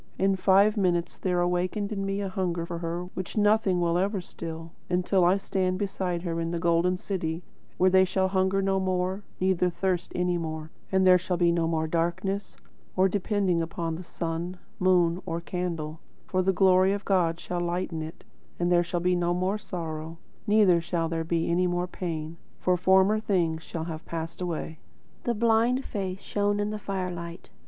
In five minutes there awakened in me a hunger for her which nothing could still, which nothing ever will still, until I stand beside her in the Golden City, where they shall hunger no more, neither thirst any more; and there shall be no more darkness, or depending upon sun, moon, or candle, for the glory of God shall lighten it; and there shall be no more sorrow, neither shall there be any more pain, for former things shall have passed away." The blind face shone in the firelight.